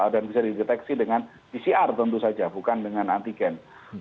dan bisa dideteksi dengan pcr tentu saja bukan dengan antigen